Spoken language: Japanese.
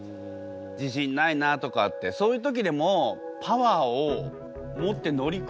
自信ないなとかってそういう時でもパワーを持って乗り越えるのか。